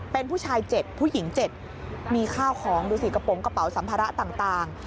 เป็นผู้ชาย๗ผู้หญิง๗มีข้าวของดูสิกระโปรงกระเป๋าสัมภาระต่าง